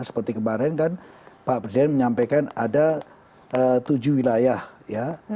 seperti kemarin kan pak presiden menyampaikan ada tujuh wilayah ya